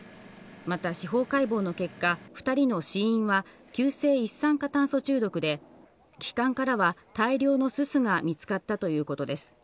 また司法解剖の結果、２人の死因は急性一酸化炭素中毒で気管からは大量のすすが見つかったということです。